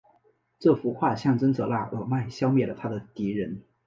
这幅画象征着那尔迈消灭了他的敌人。